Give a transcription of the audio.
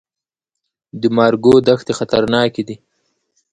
د مارګو دښتې خطرناکې دي؟